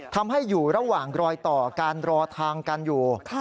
ทำให้อยู่ระหว่างรอยต่อการรอทางกันอยู่